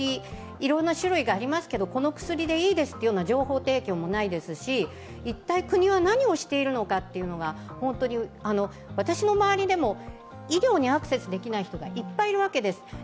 いろんな種類がありますが、この薬でいいですという情報提供もないですし一体国は何をしているのかというのが、私の周りでも医療にアクセスできない人がいっぱいいるわけです。